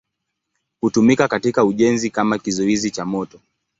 Hutumika katika ujenzi kama kizuizi cha moto.